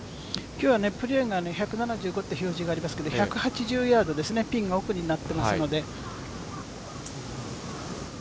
今日はプレーンが１７５って表示がありますけど１８０ヤードですね、ピンが奥になっていますので。